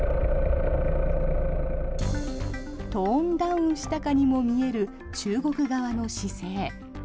トーンダウンしたかにも見える中国側の姿勢。